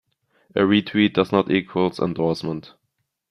A re-tweet does not equals endorsement.